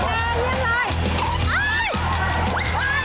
ว้ายว้าย